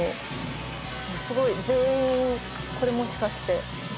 「すごい全員これもしかして」